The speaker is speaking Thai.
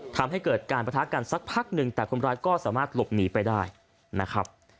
ทำให้เกิดการประทะกันสักพักหนึ่งแต่คนร้ายก็สามารถหลบหนีไปได้นะครับ